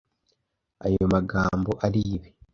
Ayo magambo aribi.